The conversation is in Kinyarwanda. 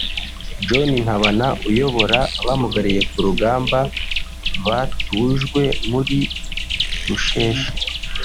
John Ntabana uyobora abamugariye ku rugamba batujwe muri Rusheshe